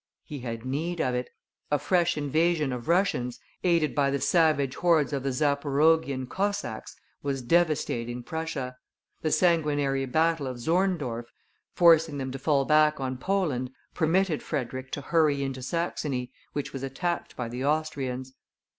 He had need of it. A fresh invasion of Russians, aided by the savage hordes of the Zaporoguian Cossacks, was devastating Prussia; the sanguinary battle of Zorndorf, forcing them to fall back on Poland, permitted Frederick to hurry into Saxony, which was attacked by the Austrians.